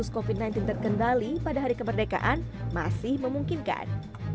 kasus covid sembilan belas terkendali pada hari kemerdekaan masih memungkinkan